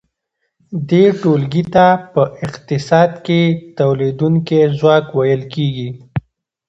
دې ټولګې ته په اقتصاد کې تولیدونکی ځواک ویل کیږي.